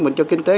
mình cho kinh tế